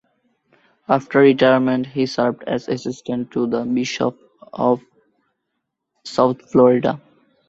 After retirement he served as assistant to the bishop of South Florida.